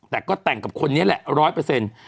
แต่ก็แต่งกับคนนี้แหละร้อยเปอร์เซ็นต์